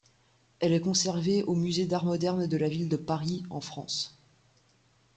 Elle est conservée au musée d'Art moderne de la ville de Paris, en France.